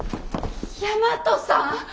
大和さん！